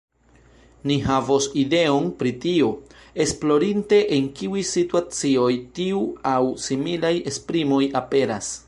Ni havos ideon pri tio, esplorinte en kiuj situacioj tiu aŭ similaj esprimoj aperas.